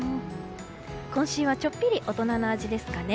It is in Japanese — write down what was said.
今週はちょっぴり大人の味ですかね。